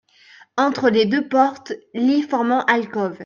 Entre les deux portes, lit formant alcôve.